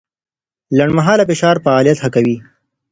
لنډمهاله فشار فعالیت ښه کوي.